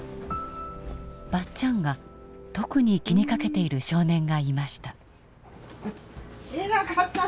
ばっちゃんが特に気にかけている少年がいました。